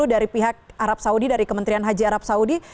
dari pihak arab saudi dari kementerian haji arab saudi